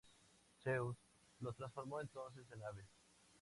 Zeus los transformó, entonces, en aves.